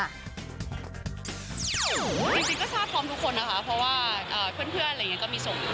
จริงก็ทราบพร้อมทุกคนนะคะเพราะว่าเพื่อนอะไรอย่างนี้ก็มีส่งอยู่